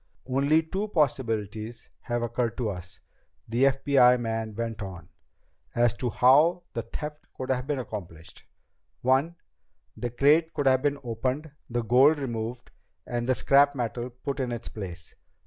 "Only two possibilities have occurred to us," the FBI man went on, "as to how the theft could have been accomplished. One: the crate could have been opened, the gold removed, and the scrap metal put in its place.